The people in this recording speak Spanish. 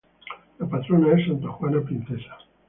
La patrona es Santa Juana Princesa.